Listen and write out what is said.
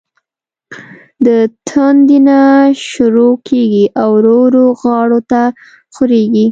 د تندي نه شورو کيږي او ورو ورو غاړو ته خوريږي